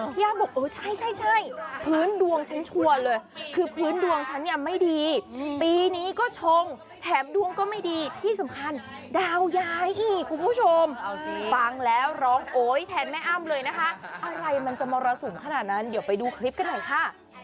พี่อ้ำบอกเออใช่พื้นดวงฉันชัวร์เลยคือพื้นดวงฉันเนี่ยไม่ดีปีนี้ก็ชงแถมดวงก็ไม่ดีที่สำคัญดาวย้ายอีกคุณผู้ชมฟังแล้วร้องโอ๊ยแทนแม่อ้ำเลยนะคะอะไรมันจะมรสุมขนาดนั้นเดี๋ยวไปดูคลิปกันหน่อยค่ะ